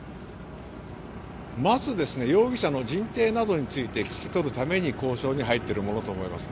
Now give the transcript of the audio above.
まず容疑者の人定などについて聞き取るために交渉に入っているものと思います。